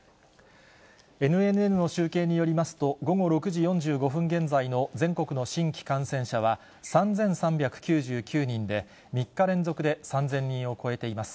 ＮＮＮの集計によりますと、午後６時４５分現在の全国の新規感染者は、３３９９人で、３日連続で３０００人を超えています。